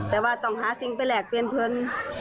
แต่ว่าต้องหาสิ่งไปแลกเปลี่ยนเพลิน